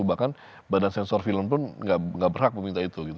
bahkan badan sensor film pun gak berhak meminta itu